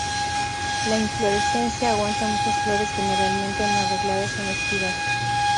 La inflorescencia aguanta muchas flores generalmente no arregladas en espiral.